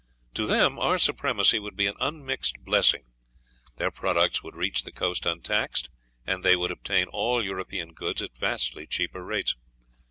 To them our supremacy would be an unmixed blessing; their products would reach the coast untaxed, and they would obtain all European goods at vastly cheaper rates.